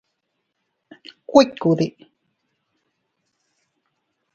¿Kuikude?